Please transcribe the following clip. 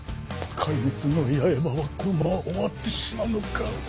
『怪滅の八重歯』はこのまま終わってしまうのか？